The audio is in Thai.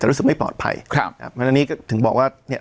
จะรู้สึกไม่ปลอดภัยครับครับแล้วอันนี้ก็ถึงบอกว่าเนี้ย